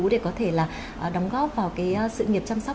để có thể là đóng góp vào cái sự nghiệp chăm sóc